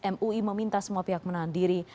mui meminta semua pihak menahan diri